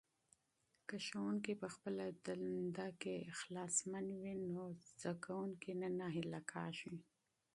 که ښوونکی په خپله دنده کې مخلص وي نو شاګردان نه ناهیلي کېږي.